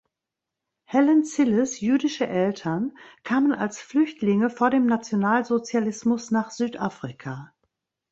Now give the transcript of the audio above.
Helen Zilles jüdische Eltern kamen als Flüchtlinge vor dem Nationalsozialismus nach Südafrika.